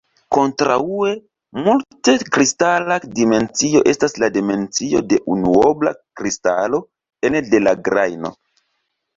Kontraŭe, "mult-kristala dimensio" estas la dimensio de unuobla kristalo ene de la grajno.